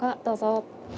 どうぞ。